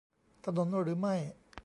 ถนนหรือไม่